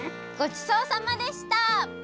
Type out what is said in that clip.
ごちそうさまでした！